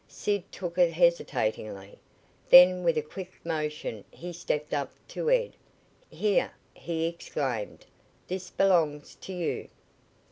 Sid took it hesitatingly. Then with a quick motion he stepped up to Ed. "Here," he exclaimed, "this belongs to you."